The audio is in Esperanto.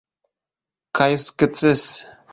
Kaj sukcese!